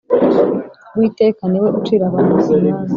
Uwiteka ni we ucira abantu imanza